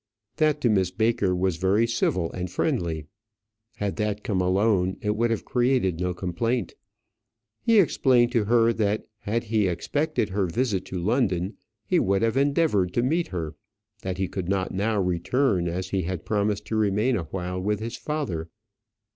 That to Miss Baker was very civil and friendly. Had that come alone it would have created no complaint. He explained to her that had he expected her visit to London, he would have endeavoured to meet her; that he could not now return, as he had promised to remain awhile with his father.